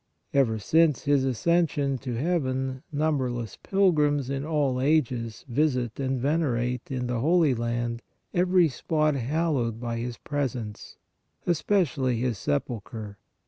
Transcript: Ever since His ascension to heaven number less pilgrims in all ages visit and venerate in the Holy Land every spot hallowed by His presence, especially His sepulchre.